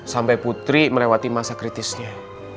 sampai putri melewati masa kritisnya